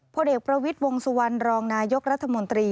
เด็กประวิทย์วงสุวรรณรองนายกรัฐมนตรี